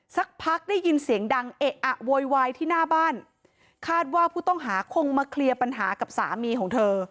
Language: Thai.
สักพักได้ยินเสียงดังเอะอะโวยวายที่หน้าบ้านคาดว่าผู้ต้องหาคงมาเคลียร์ปัญหากับสามีของเธอ